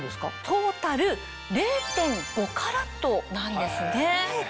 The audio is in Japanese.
トータル０．５カラットなんですね。